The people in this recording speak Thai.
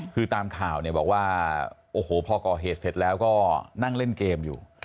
คือตามข่าวเนี่ยบอกว่าโอ้โหพอก่อเหตุเสร็จแล้วก็นั่งเล่นเกมอยู่